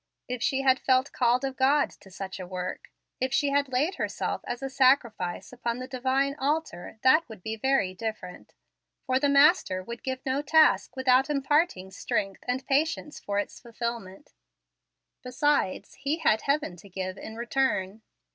If she had felt called of God to such a work, if she had laid herself as a sacrifice upon the Divine Altar, that would be very different, for the Master would give no task without imparting strength and patience for its fulfilment. Besides, He had Heaven to give in return.